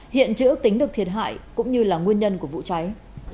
hiện chưa ước tính được thiệt hại cũng như là nguyên nhân của vụ cháy